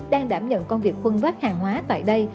đang đảm nhận công việc khuân vác hàng hóa tại đây